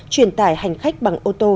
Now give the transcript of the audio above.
truyền tải hành khách bằng ô tô